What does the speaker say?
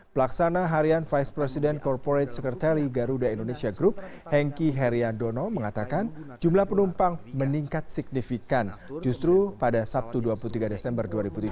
pelaksana harian vice president corporate secretary garuda indonesia group henki heriandono mengatakan jumlah penumpang meningkat signifikan justru pada sabtu dua puluh tiga desember dua ribu tujuh belas